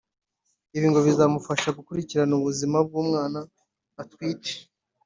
Ibi ngo bizamufasha gukurikirana ubuzima bw’umwana atwite